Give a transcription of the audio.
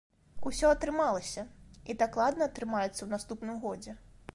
Усё атрымалася, і дакладна атрымаецца ў наступным годзе.